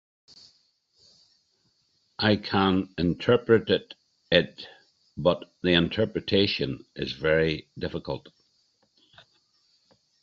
I can interpret it, but the interpretation is very difficult.